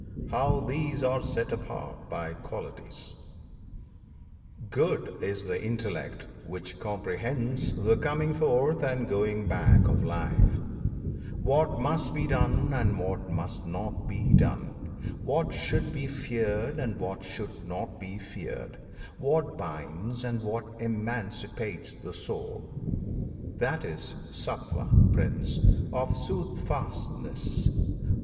How these are set apart by Qualities. Good is the Intellect which comprehends The coming forth and going back of life, What must be done, and what must not be done, What should be feared, and what should not be feared, What binds and what emancipates the soul: That is of Sattwan, Prince! of "soothfastness."